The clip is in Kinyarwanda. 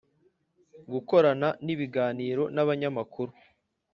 gukorana n’ibiganiro n’abanyamakuru;